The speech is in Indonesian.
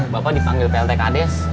bapak dipanggil pltkdes